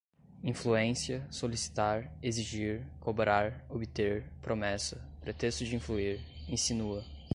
influência, solicitar, exigir, cobrar, obter, promessa, pretexto de influir, insinua